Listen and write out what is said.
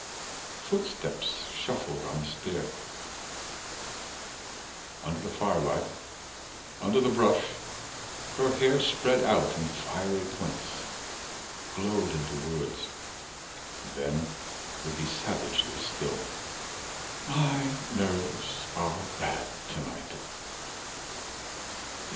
Footsteps shuffled on the stair, Under the firelight, under the brush, her hair Spread out in fiery points Glowed into words, then would be savagely still. 110 "My nerves are bad to night.